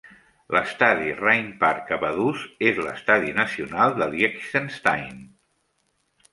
L'Estadi Rheinpark a Vaduz és l'estadi nacional de Liechtenstein.